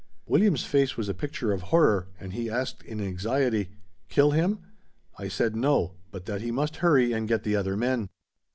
William's face was a picture of horror, and he asked in anxiety—"Kill him?" I said no, but that he must hurry and get the other men.